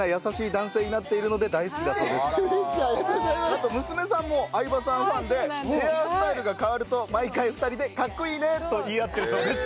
あと娘さんも相葉さんファンでヘアースタイルが変わると毎回２人で「かっこいいね！」と言い合っているそうです。